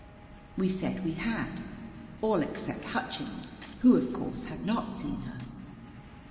We said we had all except Hutchins, who, of course, had not seen her.